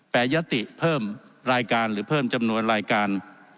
ยติเพิ่มรายการหรือเพิ่มจำนวนรายการ